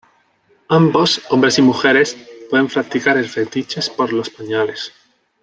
Ambos, hombres y mujeres, pueden practicar el fetiches por los pañales.